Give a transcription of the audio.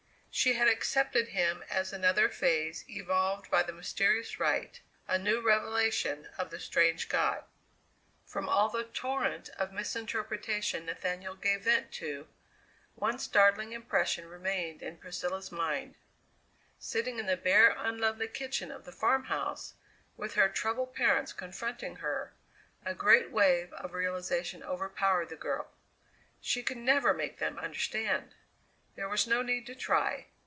She had accepted him as another phase evolved by the mysterious rite a new revelation of the strange god. From all the torrent of misinterpretation Nathaniel gave vent to, one startling impression remained in Priscilla's mind. Sitting in the bare, unlovely kitchen of the farmhouse, with her troubled parents confronting her, a great wave of realization overpowered the girl. She could never make them understand! There was no need to try.